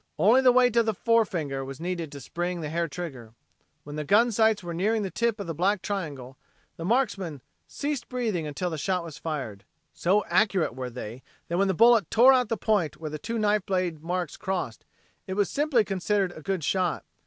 Only the weight of the forefinger was needed to spring the hair trigger. When the gun sights were nearing the tip of the black triangle, the marksman ceased breathing until the shot was fired. So accurate were they, that when the bullet tore out the point where the two knife blade marks crossed, it was simply considered a good shot.